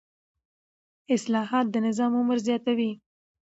اصلاحات د نظام عمر زیاتوي